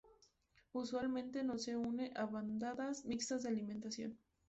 Usualmente no se une a bandadas mixtas de alimentación.